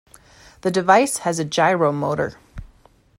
The device has a gyro motor.